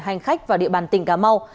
hành khách vào địa bàn tỉnh cà mau